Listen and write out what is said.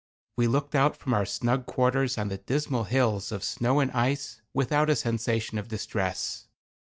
We looked out from our snug quarters on the dismal hills of snow and ice without a sensation of distress.